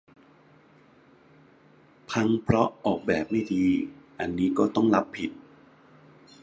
พังเพราะออกแบบไม่ดี อันนี้ก็ต้องรับผิด